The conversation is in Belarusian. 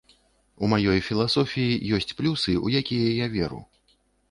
У маёй філасофіі ёсць плюсы, у якія я веру.